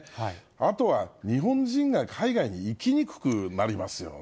あとは日本人が海外に行きにくくなりますよね。